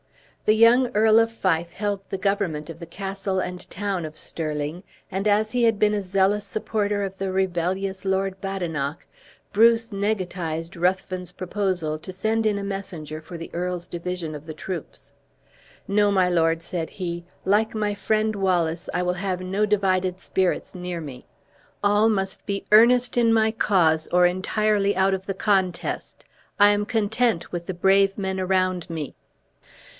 The young Earl of Fife held the government of the castle and town of Stirling; and as he had been a zealous supporter of the rebellious Lord Badenoch, Bruce negatized Ruthven's proposal to send in a messenger for the earl's division of the troops. "No, my lord," said he, "like my friend Wallace, I will have no divided spirits near me; all must be earnest in my cause, or entirely out of the contest. I am content with the brave men around me."